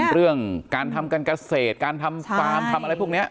เรื่องการทำการเกษตรการทำฟาร์มทำอะไรพวกนี้